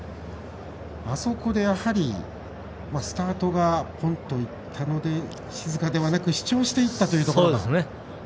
あそこで、やはりスタートがポンといったので静かではなく主張していったというところ。